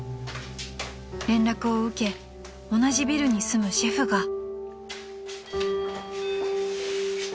［連絡を受け同じビルに住むシェフが］